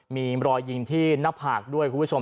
มีรอยยิงที่หน้าผากด้วยคุณผู้ชม